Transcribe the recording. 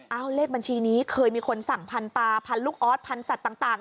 เลขบัญชีนี้เคยมีคนสั่งพันปลาพันลูกออสพันสัตว์ต่าง